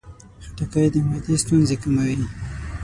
خټکی د معدې ستونزې کموي.